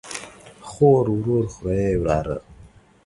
خور، ورور، خوریئ ،وراره